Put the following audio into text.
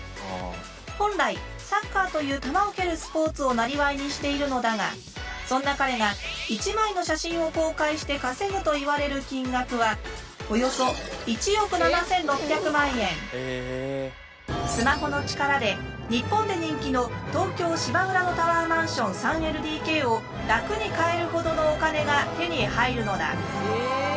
本来サッカーという球を蹴るスポーツをなりわいにしているのだがそんな彼が１枚の写真を公開して稼ぐといわれる金額はスマホの力で日本で人気の東京・芝浦のタワーマンション３ＬＤＫを楽に買えるほどのお金が手に入るのだ。え！？